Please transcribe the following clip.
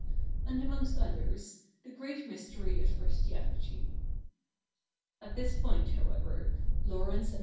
and., amongst others^ the great mystery of Chris tianity.^ At this point, however, Laurence and